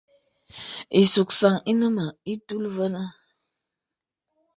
Ìsùksaŋ ìnə mə ìtul və̄nə̄.